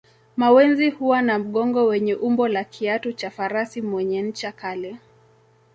Mawenzi huwa na mgongo wenye umbo la kiatu cha farasi mwenye ncha kali